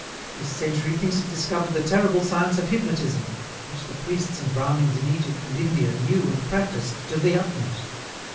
This century thinks it discovered the terrible science of hypnotism, which the priests and Brahmins in Egypt and India knew and practised to the utmost.